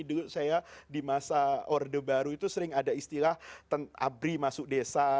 dulu saya di masa orde baru itu sering ada istilah abri masuk desa